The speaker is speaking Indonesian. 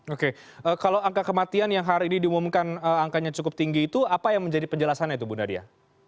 oke kalau angka kematian yang hari ini diumumkan angkanya cukup tinggi itu apa yang menjadi penjelasannya itu bu nadia